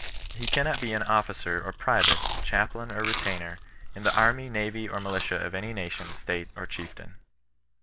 He cannot be an officer or private^ chaplain or re tainer, in the army, navy, or militia of any nation, state, or chieftain.